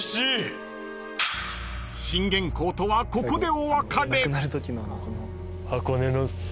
［信玄公とはここでお別れ］